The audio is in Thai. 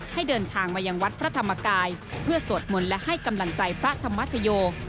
ให้เดินทางมายังวัดพระธรรมกายเพื่อสวดมนต์และให้กำลังใจพระธรรมชโย